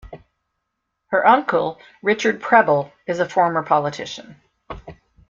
Her uncle Richard Prebble is a former politician.